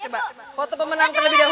coba foto pemenang terlebih dahulu